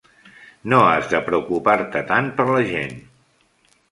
No has de preocupar-te tant per la gent.